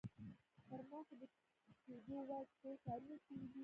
پر ما خو د کېدو وړ ټول کارونه شوي دي.